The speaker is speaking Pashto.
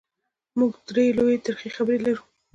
موږ درې لویې ترخې خبرې لرو: